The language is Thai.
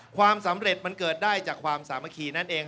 ความสำเร็จมันเกิดได้จากความสามัคคีนั่นเอง